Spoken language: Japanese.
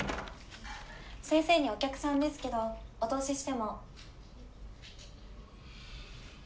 先生にお客さんですけどお通ししても？